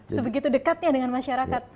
sebegitu dekatnya dengan masyarakat